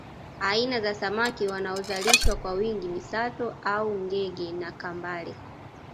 Aina za samaki wanaozalishwa kwa wingi ni sato au ngege na kambale